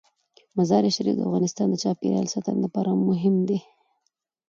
مزارشریف د افغانستان د چاپیریال ساتنې لپاره مهم دي.